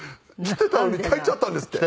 来てたのに帰っちゃったって。